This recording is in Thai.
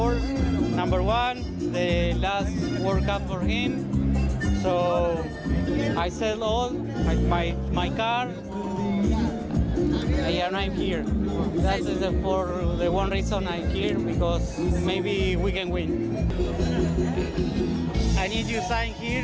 เราจะสามารถเก็บคำสั่ง